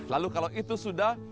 lalu kalau itu sudah